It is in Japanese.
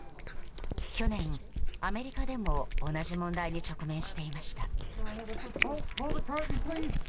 去年、アメリカでも同じ問題に直面していました。